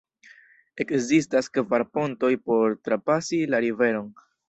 Ekzistas kvar pontoj por trapasi la riveron.